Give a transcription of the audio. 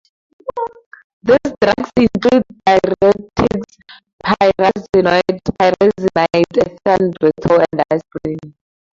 These drugs include all diuretics, pyrazinoate, pyrazinamide, ethambutol, and aspirin.